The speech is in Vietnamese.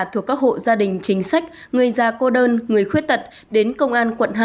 thuộc các hộ gia đình chính sách người già cô đơn người khuyết tật đến công an quận hai